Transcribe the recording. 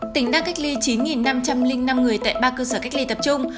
tỉnh đang cách ly chín năm trăm linh năm người tại ba cơ sở cách ly tập trung